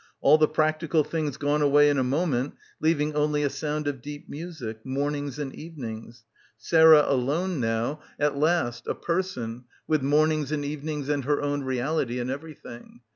... all the practical things gone away in a mo ment, leaving only a sound of deep music, ... mornings and evenings. Sarah alone now, at last, a person, with mornings and evenings and her own reality in everything.